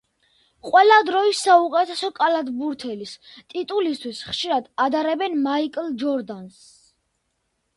ყველა დროის საუკეთესო კალათბურთელის ტიტულისთვის ხშირად ადარებენ მაიკლ ჯორდანს.